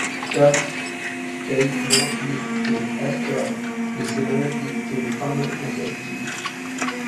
Thus, there is no need to ascribe the similarities to common ancestry.